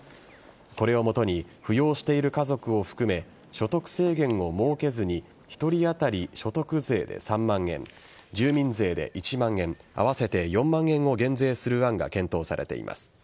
これをもとに扶養している家族を含め所得制限を設けずに１人当たり所得税で３万円住民税で１万円合わせて４万円を減税する案が検討されています。